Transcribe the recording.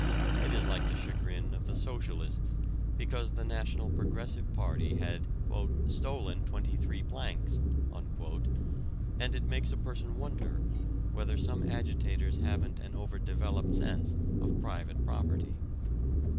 It is like the chagrin of the socialists because the National Progressive Party had "stolen twenty three planks," and it makes a person wonder whether some agitators haven't an overdeveloped sense of private property.